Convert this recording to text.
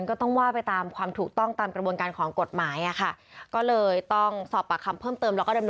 ๓ขวบอ่ะ๑๐๐๐บาท